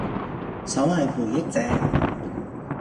所謂回憶者，